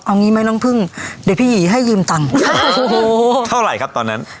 เอางี้ไหมน้องพึ่งเดี๋ยวพี่หยีให้ยืมตังค์โอ้โหเท่าไหร่ครับตอนนั้น